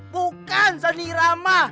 bukan sani rama